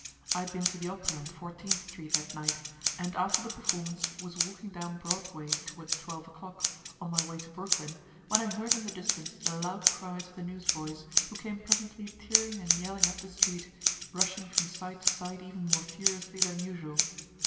I had been to the opera in Fourteenth street that night, and after the performance was walking down Broadway toward twelve o'clock, on my way to Brooklyn, when I heard in the distance the loud cries of the newsboys, who came presently tearing and yelling up the street, rushing from side to side even more furiously than usual.